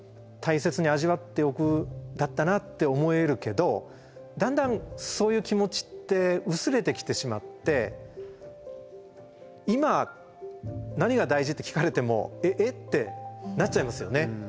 大切に味わっておくんだったなって思えるけどだんだんそういう気持ちって薄れてきてしまって「今何が大事？」って聞かれても「え？」ってなっちゃいますよね。